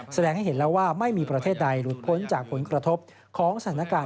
แสดงให้เห็นแล้วว่าไม่มีประเทศใดหลุดพ้นจากผลกระทบของสถานการณ์